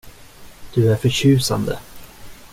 Du är förtjusande.